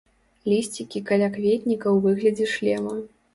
Лісцікі калякветніка ў выглядзе шлема.